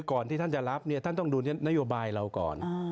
ก่อนที่ท่านจะรับเนี่ยท่านต้องดูนโยบายเราก่อน